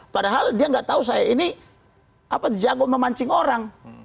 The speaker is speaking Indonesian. padahal dia nggak tahu saya ini jago memancing orang